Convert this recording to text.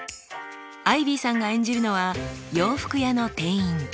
アイビーさんが演じるのは洋服屋の店員。